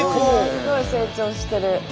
すごい成長してる。